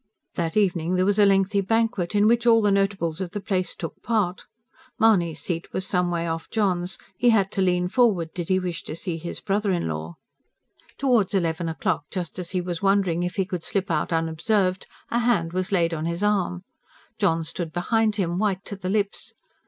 That evening there was a lengthy banquet, in which all the notables of the place took part. Mahony's seat was some way off John's; he had to lean forward, did he wish to see his brother in law. Towards eleven o'clock, just as he was wondering if he could slip out unobserved, a hand was laid on his arm. John stood behind him, white to the lips.